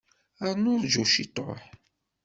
Rnu rju ciṭuḥ.